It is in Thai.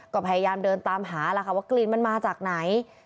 ก็พยายามเดินตามหาแล้วค่ะว่ากลิ่นมันมาจากไหน